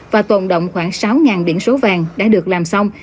và tồn động khoảng sáu biển số vàng đã được làm xong